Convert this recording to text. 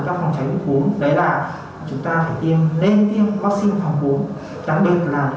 thông thường chúng ta sẽ tiêm người lớn một năm một lần